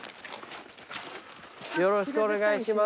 よろしくお願いします。